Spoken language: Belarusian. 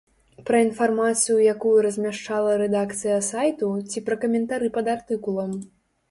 Пра інфармацыю, якую размяшчала рэдакцыя сайту, ці пра каментары пад артыкулам?